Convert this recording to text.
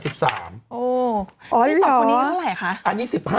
ดีที่๒คนนี้เยอะเยอะไหมคะ